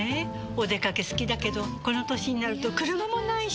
お出かけ好きだけどこの歳になると車もないし。